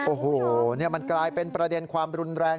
โอ้โหมันกลายเป็นประเด็นความรุนแรง